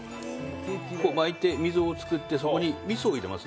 巻いて溝を作って、そこにみそを入れます。